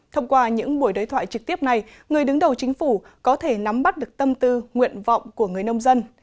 thông qua những buổi đối thoại trực tiếp này người đứng đầu chính phủ có thể nắm bắt được tâm tư nguyện vọng của người nông dân